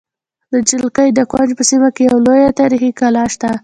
د جلگې د کونج په سیمه کې یوه لویه تاریخې کلا شته